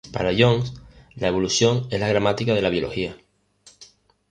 Para Jones, "la evolución es la gramática de la biología".